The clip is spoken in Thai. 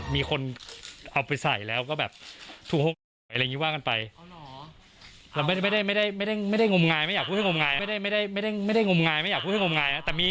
มีคนเอาไปใส่แล้วก็แบบถูกหกหน่อยอะไรอย่างนี้ว่ากันไป